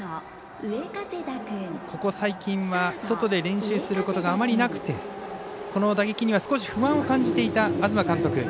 ここ最近は外で練習することがあまりなくてこの打撃には少し不安を感じていた東監督。